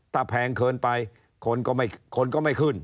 ถ้าแพงเกินไปคนก็ไม่ขึ้น